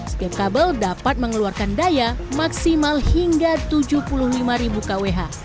setiap kabel dapat mengeluarkan daya maksimal hingga tujuh puluh lima ribu kwh